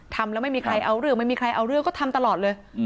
ทำแล้วไม่มีใครเอาเรื่องไม่มีใครเอาเรื่องก็ทำตลอดเลย